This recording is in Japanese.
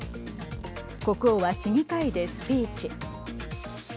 国王は、市議会でスピーチ。